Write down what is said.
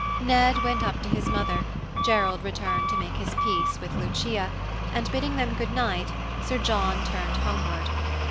Ned went up to his mother, Gerald returned to make his peace with Lucia, and, bidding them good night, Sir John turned homeward.